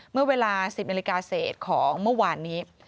เมื่อเวลา๑๐นาฬิกาเศษของเมื่อวานนี้